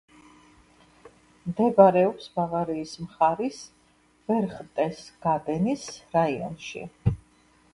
მდებარეობს ბავარიის მხარის ბერხტესგადენის რაიონში.